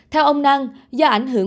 theo ông nang do ảnh hưởng